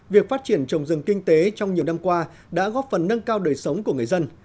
việc phát triển trồng rừng kinh tế trong nhiều năm qua đã góp phần nâng cao đời sống của người dân